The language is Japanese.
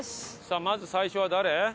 さあまず最初は誰？